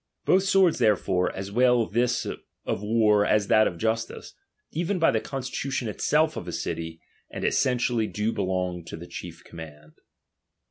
Both swords therefore, as well this of war as that of justice, even by the constitution itself of a city and essentially do belong to the chief command.